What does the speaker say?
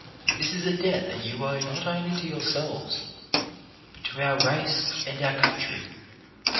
This is a debt that you owe not only to your selves, but to our race and our country.